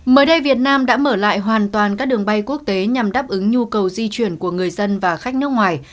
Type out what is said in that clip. mới đây việt nam đã mở lại hoàn toàn các đường bay quốc tế nhằm đáp ứng nhu cầu di chuyển của người dân và khách nước ngoài